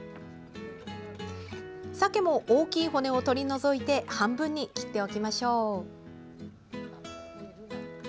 鮭も大きい骨を取り除いて半分に切っておきましょう。